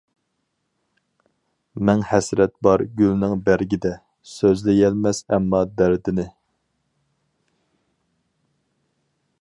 مىڭ ھەسرەت بار گۈلنىڭ بەرگىدە، سۆزلىيەلمەس ئەمما دەردىنى.